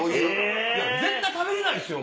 絶対食べれないっすよ！